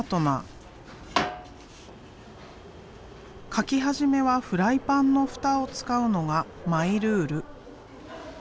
描き始めはフライパンの蓋を使うのがマイルール。